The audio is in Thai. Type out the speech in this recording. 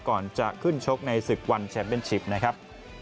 ก่อนจะขึ้นชกในศึกวันแชมป์เป็นชิปนะครับ